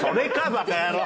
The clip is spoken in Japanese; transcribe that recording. バカ野郎！